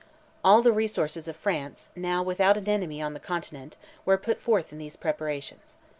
All the resources of France, now without an enemy on the Continent, were put forth in these preparations.